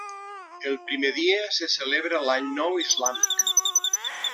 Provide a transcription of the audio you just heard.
El primer dia se celebra l'Any Nou islàmic.